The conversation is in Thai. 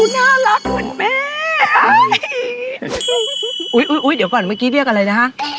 น่ารักเหมือนแม่อุ๊ยเดี๋ยวก่อนเมื่อกี้เรียกอะไรนะฮะ